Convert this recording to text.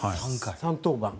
３登板。